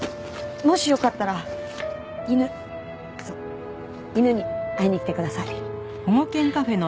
もしよかったら犬そう犬に会いに来てください。